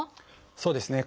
そうですね。